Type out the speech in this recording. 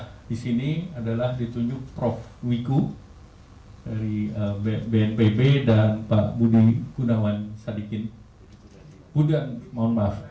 pemerintah di sini adalah ditunjuk prof wiku dari bnpb dan pak budi gunawan sadikin